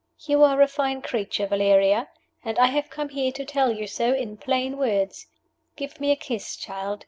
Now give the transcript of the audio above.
You are a fine creature, Valeria, and I have come here to tell you so in plain words. Give me a kiss, child.